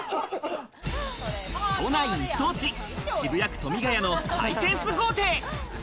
都内一等地、渋谷区富ヶ谷のハイセンス豪邸。